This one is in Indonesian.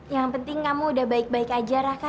yang penting kamu udah baik baik aja raka